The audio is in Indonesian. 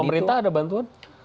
dari pemerintah ada bantuan